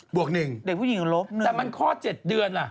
บวก๑แต่มันค่อ๗เดือนล่ะ